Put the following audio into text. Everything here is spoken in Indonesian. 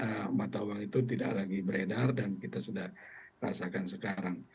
karena mata uang itu tidak lagi beredar dan kita sudah rasakan sekarang